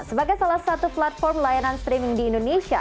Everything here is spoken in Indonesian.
sebagai salah satu platform layanan streaming di indonesia